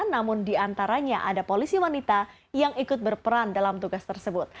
namun di antaranya ada polisi wanita yang ikut berperan dalam tugas tersebut